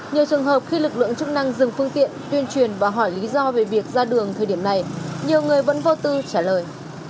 nhiều trường hợp khi lực lượng chức năng dừng phương tiện tuyên truyền và hỏi lý do về việc ra đường thời điểm này nhiều người vẫn vô tư trả lời